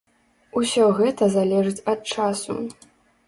Усё гэта залежыць ад часу.